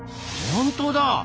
本当だ！